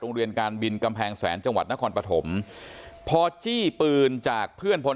โรงเรียนการบินกำแพงแสนจังหวัดนครปฐมพอจี้ปืนจากเพื่อนพล